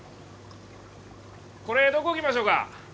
これどこ置きましょうか？